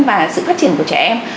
và sự phát triển của trẻ em